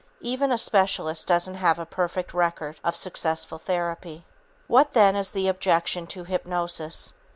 Even a specialist doesn't have a perfect record of successful therapy. What then is the objection to hypnosis?